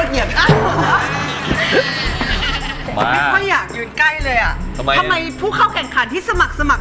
เขาไม่อยากอยู่ใกล้เลยอ่ะเพราะไม่ผู้เข้าแข่งขันที่สมัครสมัคร